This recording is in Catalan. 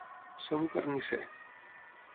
Ser un carnisser.